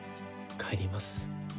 帰ります。